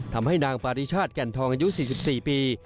ทำให้นางปาริชาติแก่นทองอายุ๔๔ปี